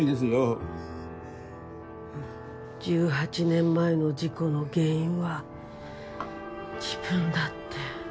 １８年前の事故の原因は自分だって。